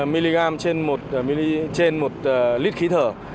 hai mươi năm mg trên một lít khí thở